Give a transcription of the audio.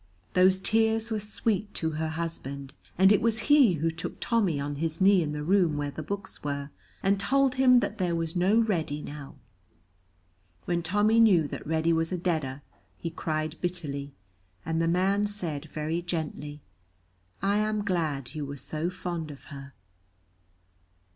Those tears were sweet to her husband, and it was he who took Tommy on his knee in the room where the books were, and told him that there was no Reddy now. When Tommy knew that Reddy was a deader he cried bitterly, and the man said, very gently, "I am glad you were so fond of her."